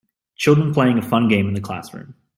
Children playing a fun game in the classroom